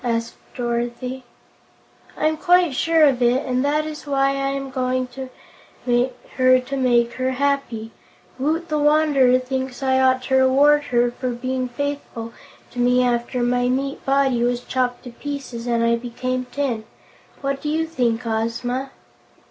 asked Dorothy. "I'm quite sure of it, and that is why I am going to her to make her happy. Woot the Wanderer thinks I ought to reward her for being faithful to me after my meat body was chopped to pieces and I became tin. What do you think, Ozma?"